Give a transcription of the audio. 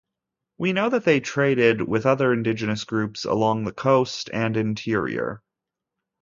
We know that they traded with other indigenous groups along the coast and interior.